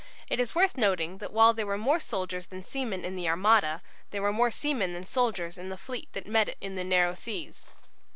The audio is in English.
It is worth noting that while there were more soldiers than seamen in the Armada, there were more seamen than soldiers in the fleet that met it in the narrow seas.